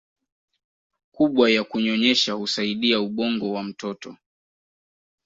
kubwa ya kunyonyesha husaidia ubongo wa mtoto